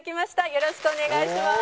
よろしくお願いします。